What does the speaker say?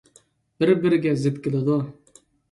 بىر - بىرىگە زىت كېلىدۇ.